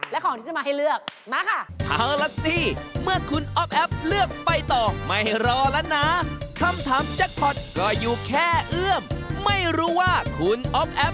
และของที่จะมาให้เลือกมาค่ะ